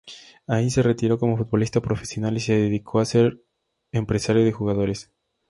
Ahí se retiró como futbolista profesional y se dedicó a ser empresario de jugadores.